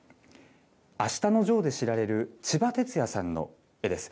あしたのジョーで知られるちばてつやさんの絵です。